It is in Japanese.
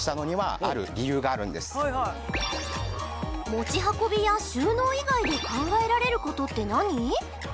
持ち運びや収納以外で考えられることって何？